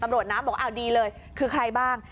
ตำรวจนะบอกดีเลยคือใครบ้าง